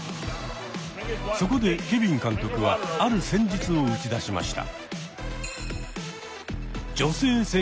そこでケビン監督はある戦術を打ち出しました。